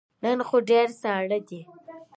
نن خو ډیر ساړه دی